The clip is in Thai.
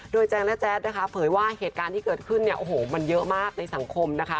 โดยแจงและแจ๊ดเผยว่าเหตุการณ์ที่เกิดขึ้นมันเยอะมากในสังคม